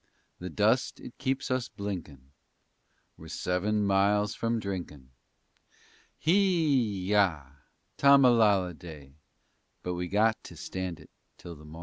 _ The dust it keeps us blinkin', We're seven miles from drinkin'. Hee ya, tammalalleday! _But we got to stand it till the mornin'.